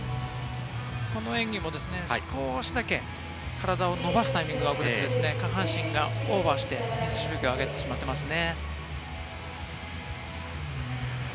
この演技も少しだけ体を伸ばすタイミングが遅れて、下半身がオーバーして、水しぶきを上げてしまっていますね。